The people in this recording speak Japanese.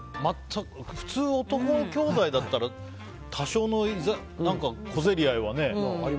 普通、男の兄弟だったら多少の小競り合いはね。